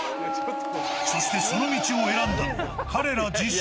そして、その道を選んだのは彼ら自身。